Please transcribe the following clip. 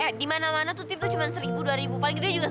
eh dimana mana tutip tuh cuma seribu dua ribu paling gede juga sepuluh